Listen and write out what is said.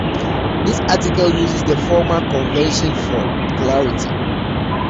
This article uses the former convention for clarity.